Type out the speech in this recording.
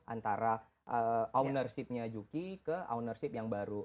antara ownership nya juki ke ownership yang baru